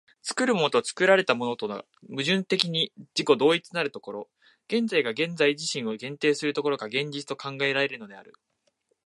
作るものと作られたものとが矛盾的に自己同一なる所、現在が現在自身を限定する所が、現実と考えられるのである。